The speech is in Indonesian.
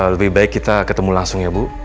lebih baik kita ketemu langsung ya bu